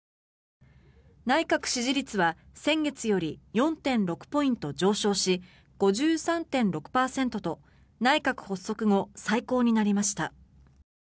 内閣支持率は先月より４．６ポイント上昇し５３．６％と内閣発足後、最高になりました。